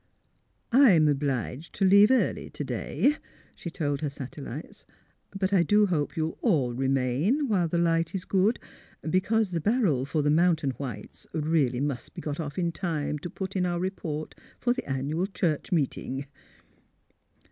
''I'm obliged t' leave early t' day," she told her satellites. " But I do hope you'll all remain while the light is good, because the barrel for the Mountain Whites really must be got off in time t' put in our report for the annual church meeting.